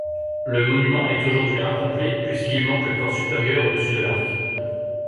Le monument est aujourd'hui incomplet, puisqu'il manque le corps supérieur au-dessus de l'arc.